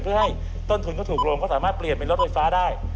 เพื่อให้ต้นทุนเขาถูกลงเขาสามารถเปลี่ยนเป็นรถไฟฟ้าได้